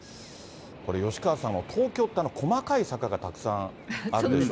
これ、吉川さん、東京って細かい坂がたくさんあるでしょ。